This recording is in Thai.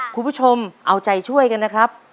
คุณผู้ชมเอาใจช่วยกันนะครับ